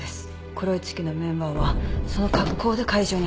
黒い月のメンバーはその格好で会場に入った。